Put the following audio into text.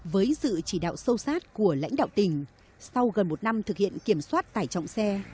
với sự chỉ đạo sâu sát của lãnh đạo tỉnh sau gần một năm thực hiện kiểm soát tải trọng xe